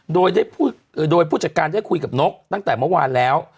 โดยผู้จัดการได้คุยกับนกตั้งแต่เมื่อวานแล้ว